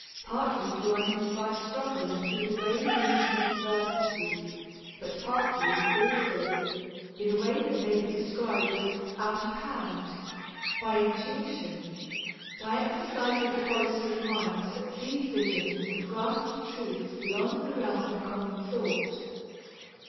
Partly through uninspired struggle and through the brave meeting of adversity, but partly, also, in a way that may be described as "out of hand," by intuition, by exercise of the quality of mind that sees visions and grasps truths beyond the realms of common thought.